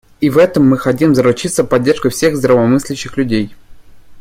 И в этом мы хотим заручиться поддержкой всех здравомыслящих людей.